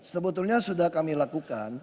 sebetulnya sudah kami lakukan